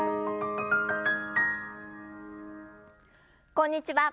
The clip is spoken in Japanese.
こんにちは。